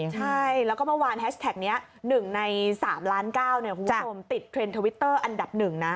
ใช่แล้วก็เมื่อวานแฮชแท็กนี้๑ใน๓ล้าน๙คุณผู้ชมติดเทรนด์ทวิตเตอร์อันดับหนึ่งนะ